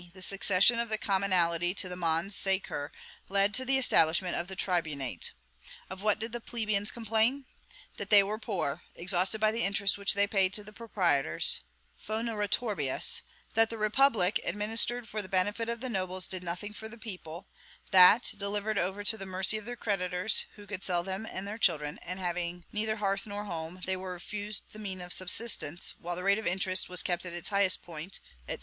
the secession of the commonalty to the Mons Sacer led to the establishment of the tribunate. Of what did the plebeians complain? That they were poor, exhausted by the interest which they paid to the proprietors, foeneratoribus; that the republic, administered for the benefit of the nobles, did nothing for the people; that, delivered over to the mercy of their creditors, who could sell them and their children, and having neither hearth nor home, they were refused the means of subsistence, while the rate of interest was kept at its highest point, &c.